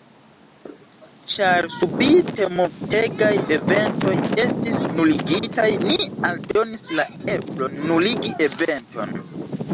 Ĉar subite multegaj eventoj estis nuligitaj, ni aldonis la eblon nuligi eventon.